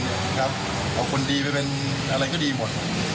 เอาคนดีไปเป็นอะไรก็ดีหมด